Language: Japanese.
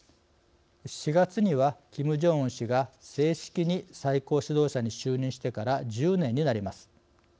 ４月にはキム・ジョンウン氏が正式に最高指導者に就任してから１０年になります。